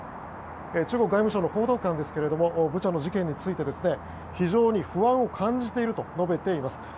中国外務省の報道官ですがブチャの事件について非常に不安を感じていると述べています。